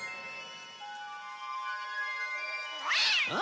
あ？